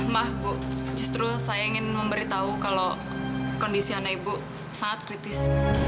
maaf bu justru saya ingin memberitahu kalau kondisi anak ibu sangat kritis